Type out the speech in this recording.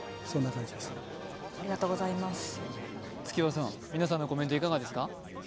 月輪さん皆さんのコメントいかがですか？